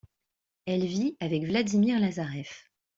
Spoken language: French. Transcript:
Elle vit avec Vladimir Lazarev.